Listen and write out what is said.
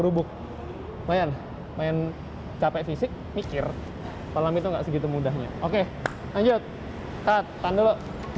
rubuk lumayan main capek fisik mikir kolam itu enggak segitu mudahnya oke lanjut tahan dulu